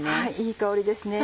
いい香りですね。